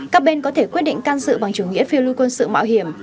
các bên có thể quyết định can dự bằng chủ nghĩa phiêu lưu quân sự mạo hiểm